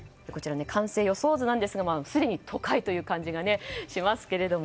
完成予想図ですがすでに都会という感じがします。